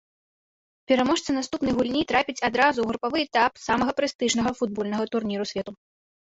Пераможца наступнай гульні трапіць адразу ў групавы этап самага прэстыжнага футбольнага турніру свету.